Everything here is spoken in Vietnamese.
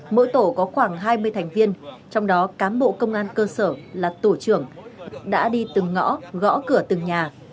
mỗi tổ có khoảng hai mươi thành viên trong đó cán bộ công an cơ sở là tổ trưởng đã đi từng ngõ gõ cửa từng nhà